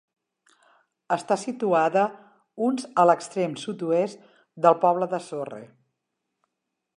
Està situada uns a l'extrem sud-oest del poble de Sorre.